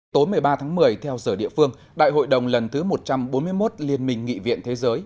tối một mươi ba tháng một mươi theo giờ địa phương đại hội đồng lần thứ một trăm bốn mươi một liên minh nghị viện thế giới